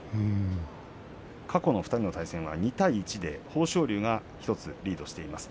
過去の２人の対戦は２対１で、豊昇龍が１つリードしています。